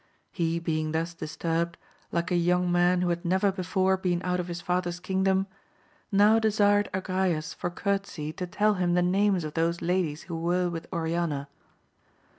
He being thus disturbed, like a young man who had never before been out of his father's kingdom, now desired Agrayes for courtesy to tell him the names of those ladies who were with Oriana.